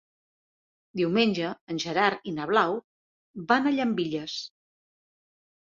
Diumenge en Gerard i na Blau van a Llambilles.